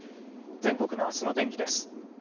全国のあすの天気です。